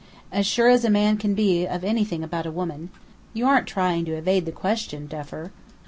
"As sure as a man can be of anything about a woman." "You aren't trying to evade the question, Duffer?"